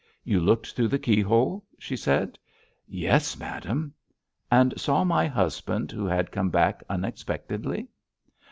"You looked through the keyhole!" she said. "Yes, madame." "And saw my husband, who had come back unexpectedly."